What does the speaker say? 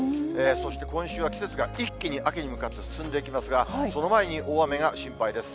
そして、今週は季節が一気に秋に向かって進んでいきますが、その前に、大雨が心配です。